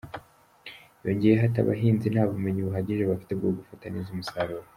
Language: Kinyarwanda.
Yongeyeho ati “Abahinzi nta bumenyi buhagije bafite bwo gufata neza umusaruro.